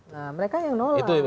nah mereka yang nolak